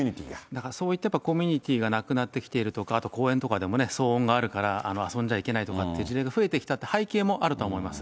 だからそういったコミュニティーがなくなってきているとか、あと公園とかでも騒音があるから、遊んじゃいけないとかっていう事例が増えてきたという背景もあるとは思います。